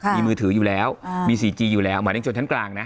มีมือถืออยู่แล้วมีซีจีอยู่แล้วหมายถึงจุดชั้นกลางนะ